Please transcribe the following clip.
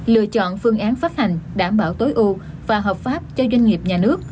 lựa chọn phương án phát hành đảm bảo tối ưu và hợp pháp cho doanh nghiệp nhà nước